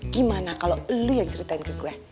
gimana kalau lu yang ceritain ke gue